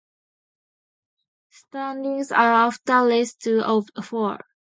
Standings are after race two of four.